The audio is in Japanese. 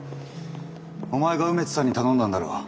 お前が梅津さんに頼んだんだろ？